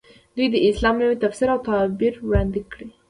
دوی د اسلام نوی تفسیر او تعبیر وړاندې کړ.